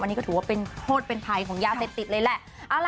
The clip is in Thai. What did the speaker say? อันนี้ก็ถือว่าเป็นโทษเป็นภัยของยาเสพติดเลยแหละ